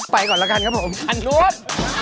ไปก่อนละกันครับผมขาน้วน